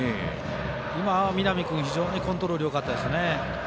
今、南君、非常にコントロールよかったですね。